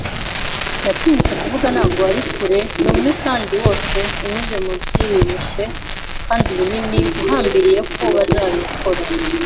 Natinyutse kuvuga, ntabwo ari kure, ni, umwe kandi wose, unyuze mubyibushye kandi binini, uhambiriye ko bazabikora